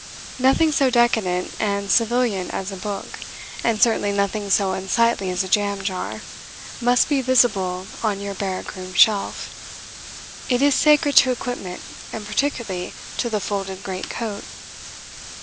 Nothing so decadent and civilian as a book and certainly nothing so unsightly as a jam jar must be visible on your barrack room shelf. It is sacred to equipment, and particularly to the folded great coat.